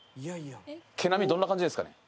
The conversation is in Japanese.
毛並みどんな感じですか？